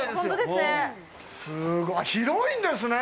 すごい、あ、広いんですね。